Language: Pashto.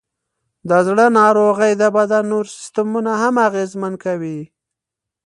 د زړه ناروغۍ د بدن نور سیستمونه هم اغېزمن کوي.